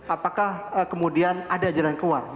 apakah kemudian ada jalan keluar